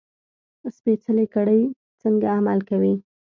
سپېڅلې کړۍ څنګه عمل کوي.